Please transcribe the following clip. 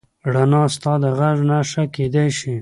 رڼا ستا د غږ نښه کېدی شي.